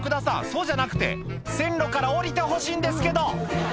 そうじゃなくて線路から下りてほしいんですけど！